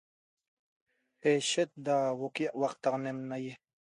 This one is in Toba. Eishet a da huoo ca iavactaxanem nahie